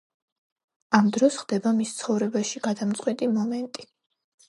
ამ დროს ხდება მის ცხოვრებაში გადამწყვეტი მომენტი.